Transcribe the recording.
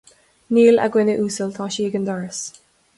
Níl, a dhuine uasail, tá sí ag an doras